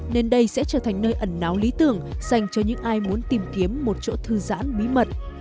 nên đây sẽ trở thành nơi ẩn náo lý tưởng dành cho những ai muốn tìm kiếm một chỗ thư giãn bí mật